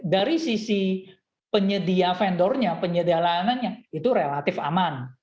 dari sisi penyedia vendornya penyedia layanannya itu relatif aman